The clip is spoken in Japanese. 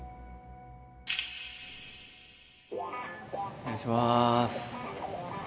お願いします。